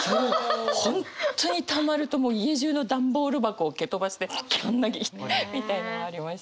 本当にたまるともう家中の段ボール箱を蹴飛ばしてギャン泣きみたいなのありました。